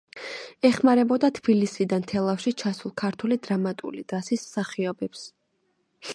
ეხმარებოდა თბილისიდან თელავში ჩასულ ქართული დრამატული დასის მსახიობებს.